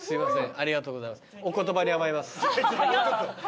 ありがとうございます。